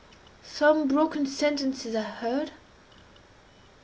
—some broken sentences I heard.